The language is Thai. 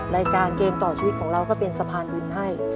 รายการเกมต่อชีวิตของเราก็เป็นสะพานบุญให้